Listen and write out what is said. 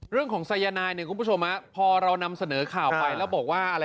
เรื่องของไซยาไนพอเรานำเสนอข่าวไปแล้วบอกว่า